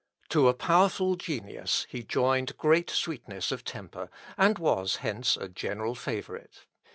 To a powerful genius he joined great sweetness of temper, and was hence a general favourite.